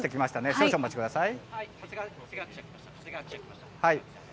少々お待ちください。